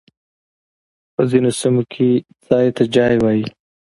په ځينو سيمو کي ځای ته جای وايي.